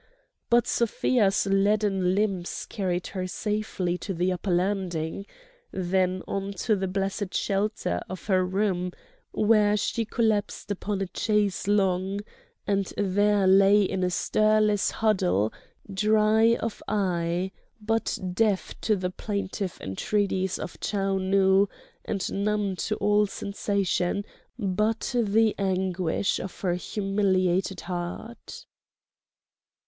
But Sofia's leaden limbs carried her safely to the upper landing, then on to the blessed shelter of her room, where she collapsed upon a chaise longue and there lay in a stirless huddle, dry of eye but deaf to the plaintive entreaties of Chou Nu and numb to all sensation but the anguish of her humiliated heart.